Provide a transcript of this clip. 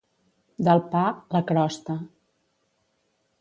Del pa, la crosta.